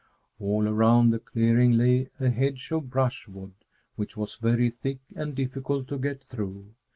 All around the clearing lay a hedge of brushwood, which was very thick and difficult to get through.